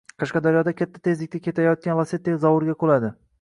Qashqadaryoda katta tezlikda ketayotgan Lacetti zovurga quladi